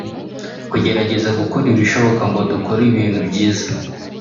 kugerageza gukora ibishoboka ngo dukore ibintu byiza